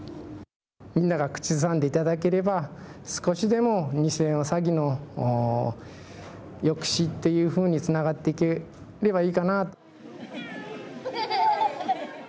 みんなが口ずさんでいただければ少しでも、ニセの詐欺の抑止っていうふうにつながっていけばいいかなって。